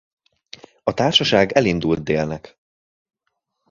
A társaság elindul délnek.